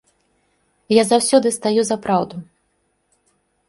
Я заўсёды стаю за праўду!